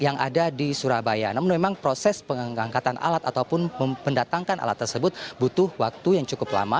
namun memang proses pengangkatan alat ataupun mendatangkan alat tersebut butuh waktu yang cukup lama